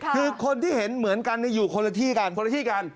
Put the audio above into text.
คือคนที่เห็นเหมือนกันอยู่คนละที่กัน